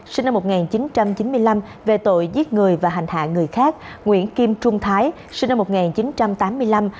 sinh năm một nghìn chín trăm chín mươi năm về tội giết người và hành hạ người khác nguyễn kim trung thái sinh năm một nghìn chín trăm tám mươi năm